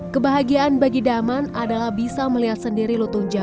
kebahagiaan bagi daman adalah bisa melihat sendiri lutungnya